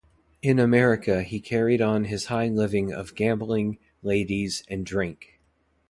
In America he carried on his high living of gambling, ladies and drink.